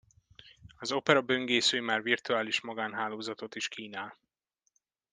Az Opera böngésző már virtuális magánhálózatot is kínál.